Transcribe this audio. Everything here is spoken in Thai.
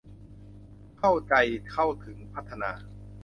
เข้าใจ เข้าถึง พัฒนา